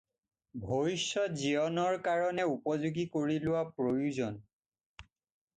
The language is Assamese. ভৱিষ্যত জীৱনৰ কাৰণে উপযােগী কৰি লােৱা প্ৰয়ােজন।